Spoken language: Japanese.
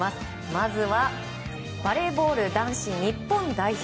まずはバレーボール男子日本代表。